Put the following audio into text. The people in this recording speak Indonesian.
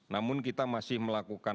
namun kita masih tidak dapatkan